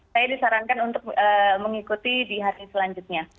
saya disarankan untuk mengikuti di hari selanjutnya